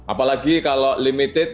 apalagi kalau limited